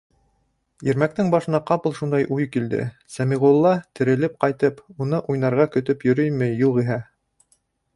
Ирмәктең башына ҡапыл шундай уй килде: Сәмиғулла терелеп ҡайтып, уны уйнарға көтөп йөрөймө, юғиһә?